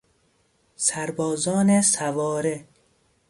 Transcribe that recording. سربازان سواره